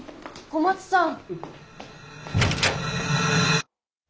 小松さん！